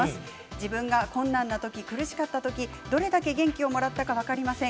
自分が困難な時、苦しかった時どれだけ元気をもらったか分かりません。